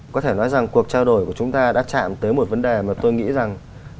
có thể nói rằng cuộc trao đổi của chúng ta đã chạm tới một vấn đề mà tôi nghĩ rằng